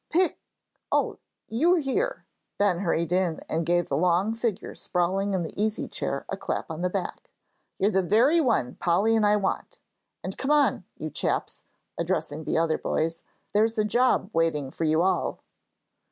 "Pick oh, you here," Ben hurried in, and gave the long figure sprawling in the easy chair a clap on the back. "You're the very one Polly and I want; and come on, you chaps," addressing the other boys, "there's a job waiting for you all."